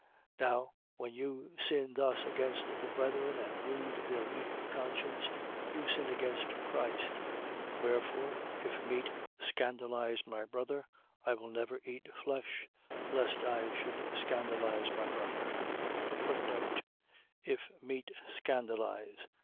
8:12. Now when you sin thus against the brethren and wound their weak conscience, you sin against Christ. 8:13. Wherefore, if meat scandalize my brother, I will never eat flesh, lest I should scandalize my brother. If meat scandalize.